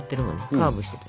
カーブしてる。